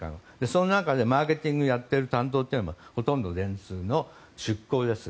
その中でマーケティングをやってる担当はほとんど電通の出向です。